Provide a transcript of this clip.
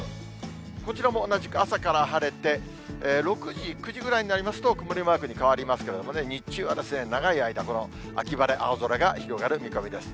こちらも同じく朝から晴れて、６時、９時ぐらいになりますと、曇りマークに変わりますけれどもね、日中は長い間、この秋晴れ、青空が広がる見込みです。